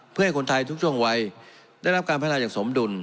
เพื่อให้คนไทยทุกช่วงวัยได้รับการพัฒนาอย่างสมดุล